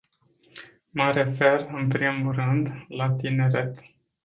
Mă refer, în primul rând, la tineret.